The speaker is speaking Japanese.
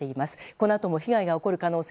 このあとも被害が起こる可能性